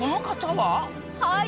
はい。